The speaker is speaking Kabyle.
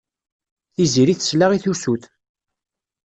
Tiziri tesla i tusut.